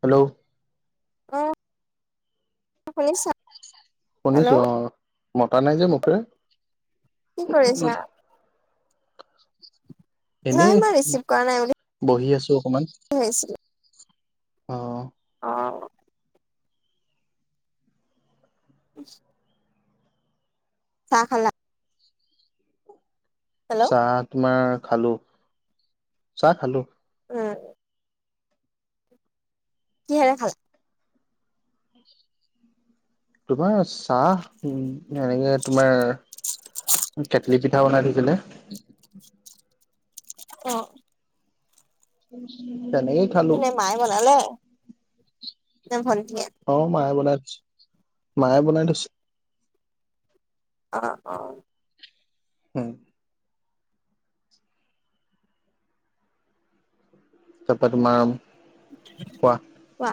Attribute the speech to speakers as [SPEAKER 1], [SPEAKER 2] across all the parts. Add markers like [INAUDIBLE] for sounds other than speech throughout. [SPEAKER 1] Hello.
[SPEAKER 2] উম, [UNINTELLIGIBLE]
[SPEAKER 1] শুনিছো অ', মতা নাই যে মুখেৰে?
[SPEAKER 2] কি কৰিছা?
[SPEAKER 1] এনেই
[SPEAKER 2] নাই মই ৰিচিভ কৰা নাই বুলি
[SPEAKER 1] বহি আছো অকমান,
[SPEAKER 2] ভাবিছিলো
[SPEAKER 1] অ'।
[SPEAKER 2] অ'। [UNINTELLIGIBLE] চাহ খালা? হেল্ল'
[SPEAKER 1] চাহ তোমাৰ খালো চাহ খালো।
[SPEAKER 2] উ। কিহেৰে খাল
[SPEAKER 1] তোমাৰ চাহ উ, এনেকে তোমাৰ কেটলি পিঠা বনাই দিছিলে।
[SPEAKER 2] অ'।
[SPEAKER 1] [UNINTELLIGIBLE] খালো
[SPEAKER 2] [UNINTELLIGIBLE] মায়ে বনালে নে ভন্টিয়ে
[SPEAKER 1] অ' মায়ে বনাই থৈছে, মায়ে বনাই থৈছে।
[SPEAKER 2] অ', অ'।
[SPEAKER 1] হম। তাৰপা তোমাৰ, কোৱা?
[SPEAKER 2] কোৱা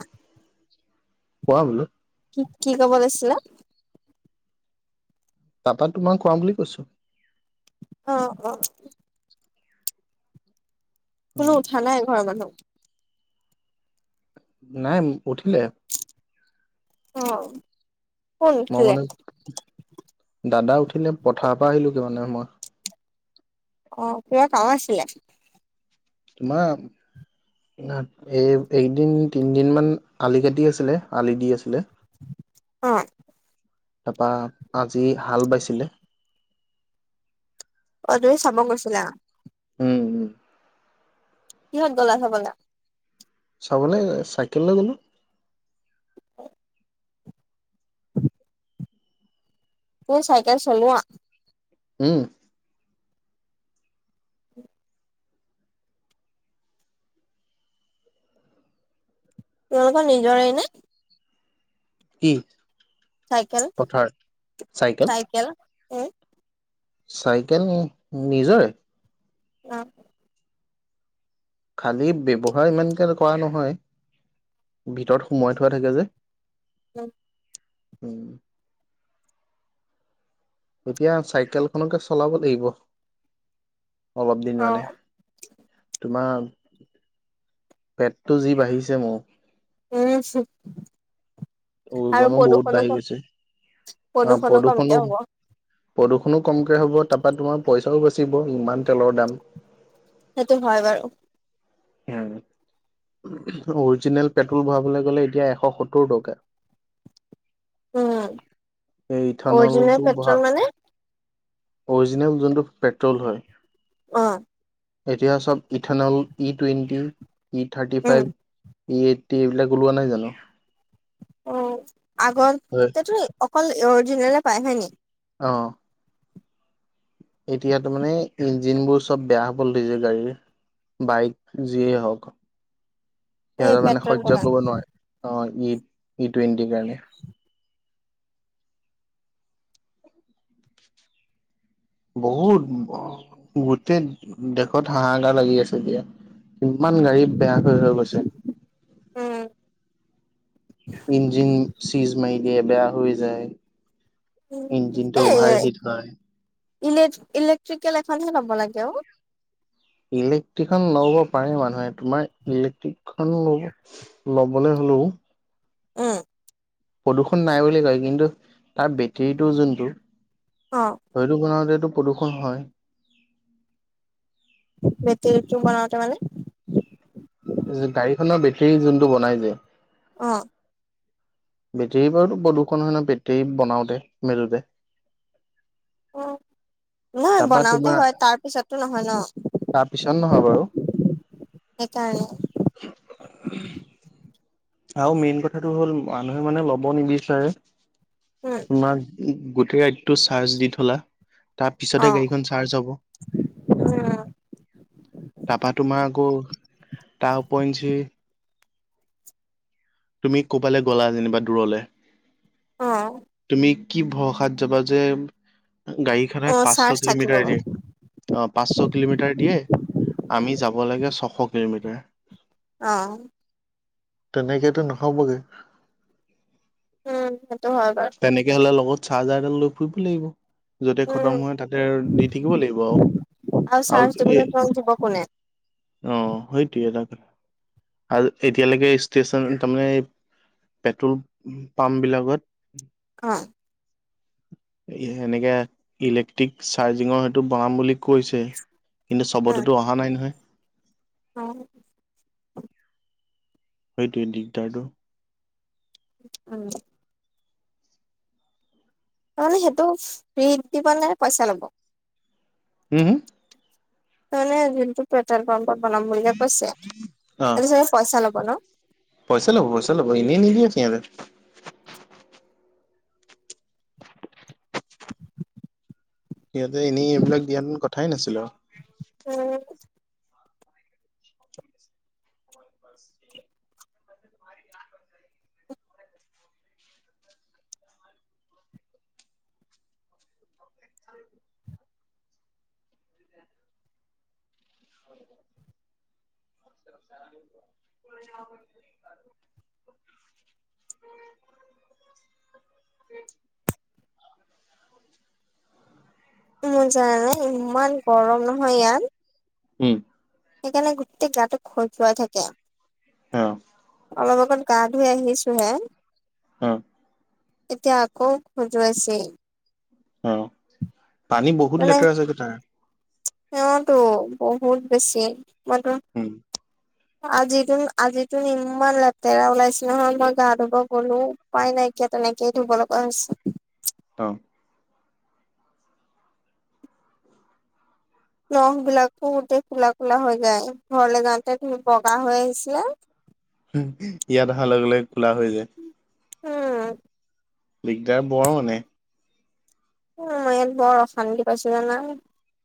[SPEAKER 1] কোৱা বোলো।
[SPEAKER 2] কি কি ক'ব লৈছিলা?
[SPEAKER 1] তাৰপা তোমাৰ কোৱা বুলি কৈছো।
[SPEAKER 2] অ', অ'।
[SPEAKER 1] উম
[SPEAKER 2] কোনো উঠা নাই ঘৰৰ মানুহ?
[SPEAKER 1] নাই উঠিলে।
[SPEAKER 2] অ', কোন
[SPEAKER 1] মই
[SPEAKER 2] উঠিলে?
[SPEAKER 1] মানে দাদা উঠিলে পথাৰৰ পৰা আহিলো গে মানে মই।
[SPEAKER 2] অ', কিবা কাম আছিলে?
[SPEAKER 1] তোমাৰ এই এই কিদিন তিনদিন মান আলি কাটি আছিলে আলি দি আছিলে।
[SPEAKER 2] অ'।
[SPEAKER 1] তাৰপা আজি হাল বাইছিলে।
[SPEAKER 2] অ', তুমি চাব গৈছিলা?
[SPEAKER 1] উম, উম।
[SPEAKER 2] কিহত গ'লা চাবলে?
[SPEAKER 1] চাবলৈ চাইকেল লৈ গ'লো।
[SPEAKER 2] তুমি চাইকেল চলোৱা?
[SPEAKER 1] উম।
[SPEAKER 2] তোমালোকৰ নিজৰেই নে।
[SPEAKER 1] কি?
[SPEAKER 2] চাইকেল,
[SPEAKER 1] পথাৰ
[SPEAKER 2] চাইকেল উম'।
[SPEAKER 1] চাইকেল নিজৰে।
[SPEAKER 2] অ'।
[SPEAKER 1] খালী ব্যৱহাৰ ইমানকে কৰা নহয়। ভিতৰত সোমাই থোৱা থাকে যে।
[SPEAKER 2] [INAUDIBLE]
[SPEAKER 1] উম। এতিয়া চাইকেলখনকে চলাব লাগিব। অলপ দিন
[SPEAKER 2] অ
[SPEAKER 1] মানে তোমাৰ পেটটো যি বাঢ়িছে মোৰ।
[SPEAKER 2] উম, আৰু
[SPEAKER 1] ওজনো বহুত
[SPEAKER 2] প্ৰদূষণো
[SPEAKER 1] বাঢ়ি
[SPEAKER 2] কম।
[SPEAKER 1] গৈছে অ', প্ৰদূষণো প্ৰদূষণো কমকে হ'ব তাৰপা তোমাৰ পইচাও বাছি চিব ইমান তেলৰ দাম।
[SPEAKER 2] সেইটো হয় বাৰু।
[SPEAKER 1] উম। অৰজিনেল পেট্ৰল ভৰাবলৈ গ'লে এতিয়া এশ সত্তৌৰ টকা।
[SPEAKER 2] উম
[SPEAKER 1] এই
[SPEAKER 2] অৰিজিনেল
[SPEAKER 1] ইথানলটো
[SPEAKER 2] পেট্ৰল
[SPEAKER 1] বহা
[SPEAKER 2] মানে
[SPEAKER 1] অৰিজিনেল যোনটো পেট্ৰল হয়।
[SPEAKER 2] অ'।
[SPEAKER 1] এতিয়া চব ethanol, E twenty, E thirty
[SPEAKER 2] um
[SPEAKER 1] five. E eighty এইবিলাক ওলোৱা নাই জানো।
[SPEAKER 2] অ',
[SPEAKER 1] হয়
[SPEAKER 2] আগতেতো অকল অৰজিনেলে পায় হয় নি?
[SPEAKER 1] অ'। এতিয়াতো মানে ইঞ্জিনবোৰ চব বেয়া হ'ব ধৰিছে গাড়ীৰ। বাইক যিয়েই হওঁক
[SPEAKER 2] এই
[SPEAKER 1] সিহঁতৰ মানে
[SPEAKER 2] পেট্ৰল
[SPEAKER 1] সহ্য
[SPEAKER 2] দোকান
[SPEAKER 1] কৰিব নোৱাৰে অ'। ই ই টুৱেণ্টিৰ কাৰণে। বহুত গোটেই দেশত হাহাকাৰ লাগি আছে এতিয়া। কিমান গাড়ী বেয়া হৈ হৈ গৈছে।
[SPEAKER 2] উম
[SPEAKER 1] ইঞ্জিন চিজ মাৰি দিয়ে বেয়া হৈ যায়।
[SPEAKER 2] এ
[SPEAKER 1] ইঞ্জিনটো অভাৰ হিট হয়।
[SPEAKER 2] ইলে ইলেক্ট্ৰিকেল এখনহে ল'ব লাগে অ',
[SPEAKER 1] ইলেক্ট্ৰিক খন ল'ব পাৰে মানুহে তোমাৰ ইলেক্ট্ৰিক খন লব লবলৈ হেল্ল'
[SPEAKER 2] উম,
[SPEAKER 1] প্ৰদূৰ্ষণ নাই বুলি কয় কিন্তু তাৰ বেটেৰীটো যোনটো
[SPEAKER 2] অ
[SPEAKER 1] হয়টো বনাওতেটো প্ৰদূষণ হয়।
[SPEAKER 2] বেটেৰিটো বনাওঁতে মানে
[SPEAKER 1] গাড়ীখনৰ বেটৰী যোনটো বনাই যে
[SPEAKER 2] অ',
[SPEAKER 1] বেটেৰী বাৰুতো প্ৰদূষণ হয় ন' বেটেৰী বনাওঁতে মেলোতে।
[SPEAKER 2] উম, নহয়
[SPEAKER 1] তাৰপা
[SPEAKER 2] বনাওঁতে
[SPEAKER 1] তোমাৰ
[SPEAKER 2] হয় তাৰপিছো নহয় ন।
[SPEAKER 1] তাৰপিছত নহয় বাৰু
[SPEAKER 2] সেইকাৰণে
[SPEAKER 1] আৰু মেইন কথাটো হ'ল মানুহে মানে ল'ব নিবিচাৰে।
[SPEAKER 2] উম
[SPEAKER 1] তোমাক গোটেই ৰাতেটো চাৰ্জ দি থলা ত পিছতে
[SPEAKER 2] অ
[SPEAKER 1] গাড়ীখন চাৰ্জ হব,
[SPEAKER 2] উম
[SPEAKER 1] তাপা তোমাৰ আকৌ তাৰ উপৰিঞ্চি তুমি ক'বালে গলা যেনিবা দূৰলে,
[SPEAKER 2] অ
[SPEAKER 1] তুমি কি ভৰসাত যাবা যে গাড়ী খনে
[SPEAKER 2] অ
[SPEAKER 1] পাঁচশ
[SPEAKER 2] চাৰ্জ থাকিব
[SPEAKER 1] কিলোমিটাৰ দিয়ে অ', পাঁচশ কিলোমিটাৰ দিয়ে আমি যাব লাগে ছশ কিলোমিটাৰ।
[SPEAKER 2] অ',
[SPEAKER 1] তেনেকেতো নহবগে
[SPEAKER 2] উম সেইটো হয় বাৰু
[SPEAKER 1] তেনেকে হলে লগত চাৰ্জাৰডাল লৈ ফুৰিব লাগিব। য'তে
[SPEAKER 2] উম
[SPEAKER 1] খতম হয় তাতে দি থাকিব লাগিব আৰু
[SPEAKER 2] চাৰ্জ
[SPEAKER 1] আৰু এ
[SPEAKER 2] দিবলৈ তোমাক দিব কোনে
[SPEAKER 1] অ', সেইটোৱে তাক আৰু এতিয়ালৈকে ষ্টেচন তাৰমানে পেট্ৰল পাম্প বিলাকত
[SPEAKER 2] অ',
[SPEAKER 1] [INAUDIBLE] এনেকে ইলেক্ট্ৰিক চাৰ্জিঙৰ সেইটো বহাম বুলি কৈছে। কিন্তু
[SPEAKER 2] উম
[SPEAKER 1] চবতেতো অহা নাই নহয়।
[SPEAKER 2] অ',
[SPEAKER 1] সেইটোৱেই দিগদাৰটো।
[SPEAKER 2] উম, তাৰমানে সেইটো ফ্ৰীত দিব নে পইচা ল'ব?
[SPEAKER 1] হুম, হুম?
[SPEAKER 2] তাৰমানে যোনটো পেট্ৰল পাম্পত বনাম বুলিয়ে কৈছে
[SPEAKER 1] অ
[SPEAKER 2] সেইটো চাগে পইচা লব ন?
[SPEAKER 1] পইচা ল'ব, পইচা ল'ব এনেই নিদিয়ে সিহঁতে। সিহঁতে এনেই এইবিলাক দিয়া হেঁতেন কথাই নাছিলে আৰু।
[SPEAKER 2] উম
[SPEAKER 1] [INAUDIBLE] [INAUDIBLE] [INAUDIBLE]
[SPEAKER 2] মোৰ জানা নে ইমান গৰম নহয় ইয়াত।
[SPEAKER 1] উম,
[SPEAKER 2] সেইকাৰণে গোটেই গাটো খজুৱাই থাকে।
[SPEAKER 1] অ',
[SPEAKER 2] অলপ অগত গা ধুই আহিছোঁ হে।
[SPEAKER 1] অ',
[SPEAKER 2] এতিয়া আকৌ খজুৱাইছে।
[SPEAKER 1] অ' পানী বহুত লেতেৰা আছেগে তাৰ।
[SPEAKER 2] এইটো বহুত বেছি ম
[SPEAKER 1] উম
[SPEAKER 2] আজি তোন আজি তোন ইমান লেতেৰা ওলাইছে নহয় মই গা ধুব গ'লো উপাই নাই কি তেনেকেই ধুব লগা হৈছে।
[SPEAKER 1] ত
[SPEAKER 2] নখবিলাকো গোটেই ক'লা ক'লা হৈ যায়, ঘৰলৈ যাওঁতে ধু বগা হৈ আহিছিলে।
[SPEAKER 1] ইয়াত আহাৰ লগে লগে ক'লা হৈ যায়।
[SPEAKER 2] উম।
[SPEAKER 1] দিগদাৰ বৰ মানে।
[SPEAKER 2] উ, মই ইয়াত বৰ অশান্তি পাইছোঁ জানা,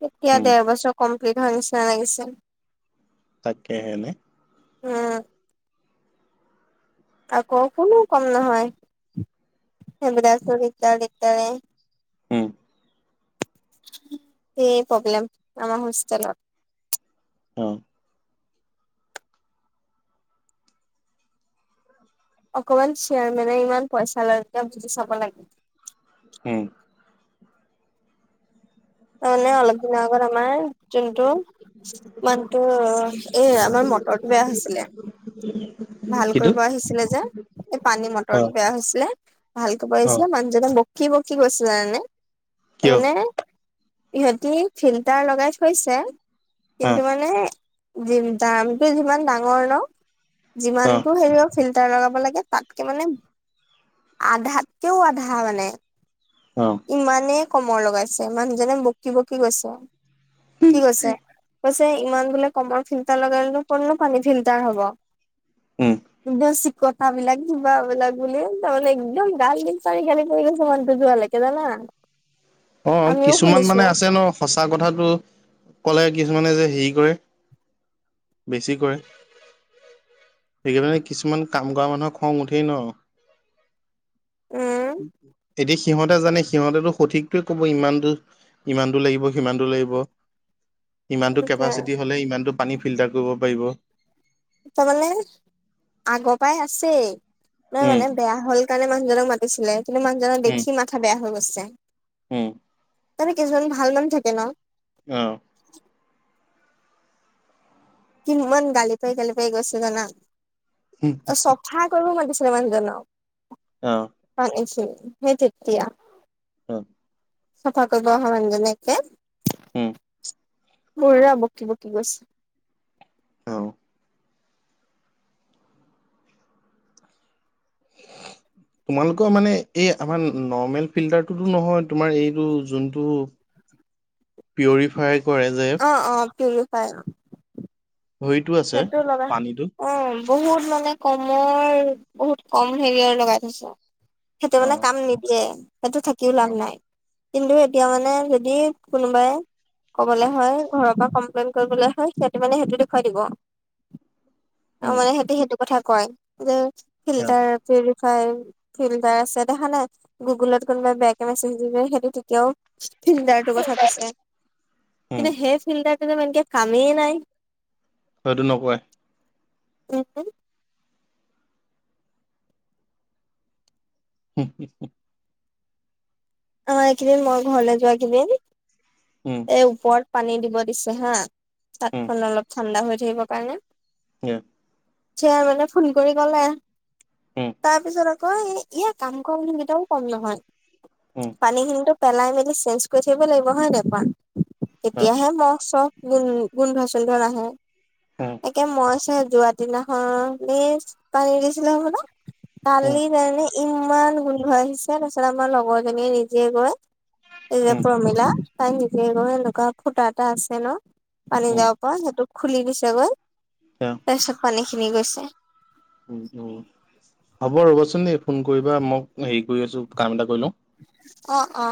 [SPEAKER 2] কেতিয়া
[SPEAKER 1] উম
[SPEAKER 2] দেৰ বছৰ কম শেষ হোৱাৰ নিচনা লাগিছে।
[SPEAKER 1] তাকে হেনে
[SPEAKER 2] উম। আকৌ কোনো কম নহয়। [UNINTELLIGIBLE]
[SPEAKER 1] হুম।
[SPEAKER 2] সেয়েই প্ৰব্লেম আমাৰ হোষ্টেলত।
[SPEAKER 1] হুম।
[SPEAKER 2] অকমান শ্বেয়াৰমেনে ইমান পইচা লয় যেতিয়া বুজি চাব লাগে।
[SPEAKER 1] হুম।
[SPEAKER 2] কাইলে অলপ দিনৰ আগত আমাৰ যোনটো মানটো এ, আমাৰ মটৰটো বেয়া হৈছিলে।
[SPEAKER 1] [INAUDIBLE]
[SPEAKER 2] ভাল কৰিব আহিছিলে যে, এই পানী
[SPEAKER 1] অ
[SPEAKER 2] মটৰটো বেয়া হৈছিলে, ভাল কৰিব
[SPEAKER 1] অ
[SPEAKER 2] আহিছিলে মানুহজনে ব কিব কি কৈছে জানেনে
[SPEAKER 1] কিয়
[SPEAKER 2] তাৰমানে সিহতি ফিল্টাৰ লগাই থৈছে
[SPEAKER 1] অ
[SPEAKER 2] কিন্তু মানে দামটো যিমান ডাঙৰ ন'
[SPEAKER 1] অ
[SPEAKER 2] যিমানটো হেৰি ফিল টাৰ লগাব লাগে তাতকে মানে আধাতকেও আধা মানে।
[SPEAKER 1] অ
[SPEAKER 2] ইমানেই কমৰ লগাইছে, মানুহজনে বকি বকি গৈছে। কি কৈছে? কে ইমান বোলে কমৰ ফিল্টাৰ লগালেনো ক'তনো পানী ফিল্টাৰ
[SPEAKER 1] উম
[SPEAKER 2] হ'ব। কথাবিলাক কিবা বিলাক বুলি তাৰমানানে একদম গাল দি পাৰি গালি কৰি গৈছে মানুহটো যোৱালৈকে জানা।
[SPEAKER 1] অ'
[SPEAKER 2] আমিও
[SPEAKER 1] কিছুমান মানে
[SPEAKER 2] শুনিছো
[SPEAKER 1] আছে ন' সঁচা কথাটো ক'লে কিছুমানে যে হেৰি কৰে বেছি কৰে। সেয়েহে মানে কিছুমান কাম কৰা মানুহৰ খং উঠেই ন'।
[SPEAKER 2] উম
[SPEAKER 1] এতিয়া সিহঁতে জানে সিহঁতেটো সঠিক সি ক'ব ইমান দূৰ, ইমান দূৰ লাগিব, সিমান দূৰ লাগিব। ইমানটো কেপাচিটি হ'লে ইমানটো পানী ফিল্টাৰ কৰিব পাৰিব।
[SPEAKER 2] তাৰমানানে আগৰপাই আছেই, নহয়
[SPEAKER 1] উম,
[SPEAKER 2] মানে বেয়া হ'ল কাৰণে মানুহজনক মাতিছিলে কিন্তু মানুহজনৰ দেখি মাথা বেয়া হৈ গৈছে।
[SPEAKER 1] হুম।
[SPEAKER 2] মানে কিছুমান ভাল মানুহ থাকে ন'।
[SPEAKER 1] অ'।
[SPEAKER 2] কিমান গালি পাৰি গালি পাৰি গৈছে জানা। অ' চফা কৰিব মাতিছি
[SPEAKER 1] অ',
[SPEAKER 2] [UNINTELLIGIBLE] সেই তেতিয়া।
[SPEAKER 1] হুম।
[SPEAKER 2] চফা কৰিব অহা মানুহজন একে
[SPEAKER 1] উম,
[SPEAKER 2] বঢ়িয়া বকি বকি গৈছে।
[SPEAKER 1] অ'। [INAUDIBLE] তোমালোকৰ মানে এই আমাৰ নৰ্মেল ফিল্টাৰটোতো নহয় তোমাৰ এইটো যোনটো। পিউৰিফাই কৰে যে
[SPEAKER 2] ঠিক খাই
[SPEAKER 1] হেৰিটো আছে
[SPEAKER 2] সেইটো লগা
[SPEAKER 1] পানীটো
[SPEAKER 2] অ বহুত মানে কমৰ বহুত কম হেৰিয়ৰ লগাই থৈছো সেইটো মানে
[SPEAKER 1] অ',
[SPEAKER 2] কাম নিদিয়ে তাতো থাকিও লাভ
[SPEAKER 1] অ',
[SPEAKER 2] নাই কিন্তু এতিয়া মানে যদি কোনোবাই কবলৈ হয় ঘৰৰ পৰা কমপ্লেইন কৰিবলৈ হয় সিহঁতে মানে সেইটো দেখুৱাই দিব আৰু
[SPEAKER 1] উম,
[SPEAKER 2] মানে সিহঁতে সেইটো কথা কয় যে
[SPEAKER 1] অ',
[SPEAKER 2] ফিল্টাৰ হয় ফিল্টাৰ আছে দেখা নাই গুগলত কোনোবাই বেয়াকে মেছেজ দি সেইটো তেতিয়াও ফিল্ডাৰটোৰ কথা কৈছে
[SPEAKER 1] উম,
[SPEAKER 2] কিন্তু সেই ফিল্ডাৰ এনকে কামেই নাই
[SPEAKER 1] সেইটো নকয়
[SPEAKER 2] কচোন
[SPEAKER 1] হম হু হ
[SPEAKER 2] অ এইকেইদিন মই ঘৰলে যোৱা কেইদিন
[SPEAKER 1] উম,
[SPEAKER 2] এই ওপৰত পানী দিব দিছে হা
[SPEAKER 1] উম,
[SPEAKER 2] তাতখন অলপ ঠাণ্ডা হৈ থাকিবৰ কাৰণে
[SPEAKER 1] [UNINTELLIGIBLE]
[SPEAKER 2] চাৰ মানে ফোন কৰি কলে
[SPEAKER 1] উম,
[SPEAKER 2] তাৰপিছত কয় ইয় কাম ককেইটাও কম নহয়
[SPEAKER 1] উম,
[SPEAKER 2] পানী খিনিতো পেলাই মেলি চেঞ্জ কৰি থাকিব লাগিব হয় ন পা
[SPEAKER 1] অ',
[SPEAKER 2] তেতিয়াহে ম চব গুণ গোন্ধচধ নাহে
[SPEAKER 1] উম,
[SPEAKER 2] একে মইছে যোৱা দিনাখন নি পানী দিছিলে হ'ব ন
[SPEAKER 1] উম,
[SPEAKER 2] কালি যাই ইমান গোন্ধ আহিছে তাৰপিছত আমাৰ লগৰ জনীয়ে নিজে গৈ এইতি যে
[SPEAKER 1] উম,
[SPEAKER 2] প্ৰমীলা তাই নিজে এনেকুৱা খুটা এটা আছে ন পানী
[SPEAKER 1] উম,
[SPEAKER 2] যাব পৰা সিহটো খুলি দিছে গল
[SPEAKER 1] এ
[SPEAKER 2] তাৰপিছত পানী খিনি গৈছে
[SPEAKER 1] উম, উম। হ'ব ৰ'বচোন ফোন কৰিবা মই হেৰি কৰি আছো কাম এটা কৰি লওঁ
[SPEAKER 2] অ অ